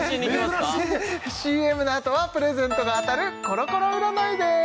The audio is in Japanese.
ＣＭのあとはプレゼントが当たるコロコロ占いです